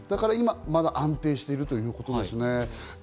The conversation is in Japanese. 今はまだ安定しているということですね。